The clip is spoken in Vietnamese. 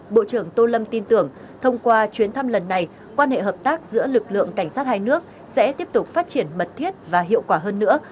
bộ trưởng tô lâm tin tưởng thông qua chuyến thăm lần này quan hệ hợp tác giữa lực lượng cảnh sát hai nước sẽ tiếp tục phát triển mật thiết và hiệu quả hơn nữa